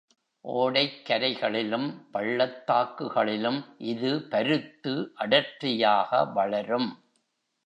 ஓடைக்கரைகளிலும், பள்ளத்தாக்குகளிலும் இது பருத்து அடர்த்தியாக வளரும்.